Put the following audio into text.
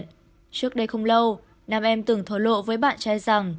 trước đây không lâu nam em từng thối lộ với bạn trai rằng